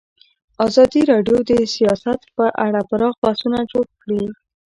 ازادي راډیو د سیاست په اړه پراخ بحثونه جوړ کړي.